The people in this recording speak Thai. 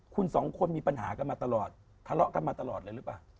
คุณสองคนมีปัญหากันมาตลอดทะเลาะกันมาตลอดเลยหรือเปล่า